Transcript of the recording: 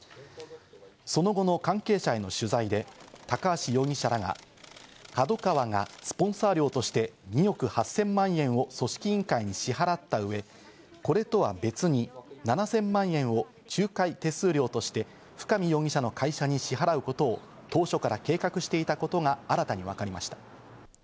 その後の関係者への取材で高橋容疑者らが、ＫＡＤＯＫＡＷＡがスポンサー料として２億８０００万円を組織委員会に支払った上、これとは別に７０００万円を仲介手数料として深見容疑者の会社に支払うことを当初から計画していたことが新たに分かりました。